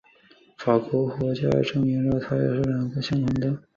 法国化学家阿迪证明了它们两个是相同的。